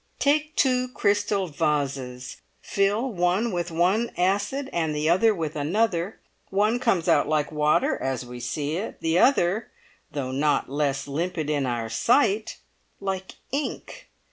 Take two crystal vases, fill one with one acid and the other with another; one comes out like water as we see it; the other, though not less limpid in our sight, like ink.